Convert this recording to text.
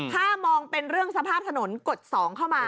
ถ้ามองเป็นเรื่องสภาพถนนกฎ๒เข้ามา